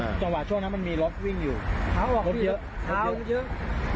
อ่าจังหวะช่วงนั้นมันมีรถวิ่งอยู่ขาวออกเยอะขาวเยอะเยอะ